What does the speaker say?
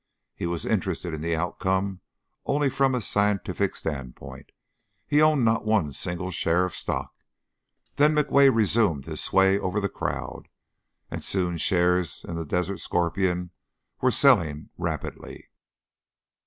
He was interested in the out come only from a scientific standpoint; he owned not one single share of stock. Then McWade resumed his sway over the crowd, and soon shares in "The Desert Scorpion" were selling rapidly.